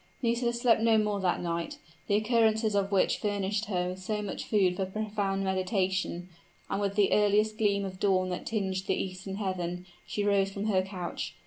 Nisida slept no more that night, the occurrences of which furnished her with so much food for profound meditation: and with the earliest gleam of dawn that tinged the eastern heaven, she rose from her couch.